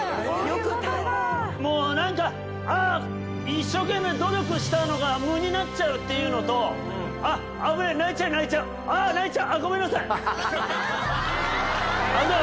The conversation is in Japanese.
もうなんか、ああ、一生懸命努力したのが無になっちゃうっていうのと、あ、危ない、泣いちゃう、泣いちゃう、あー、泣いちゃう、ごめんなさい。